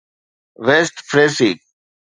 west فريسي